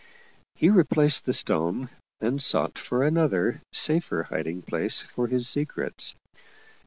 He replaced the stone and sought for another, safer, hiding place for his secrets.